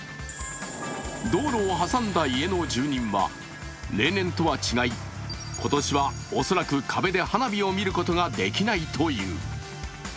道路を挟んだ家の住人は例年とは違い今年は恐らく壁で花火を見ることができないという。